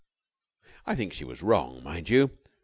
I think she was wrong, mind you.